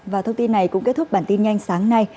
và thông tin này cũng kết thúc bản tin nhanh sáng nay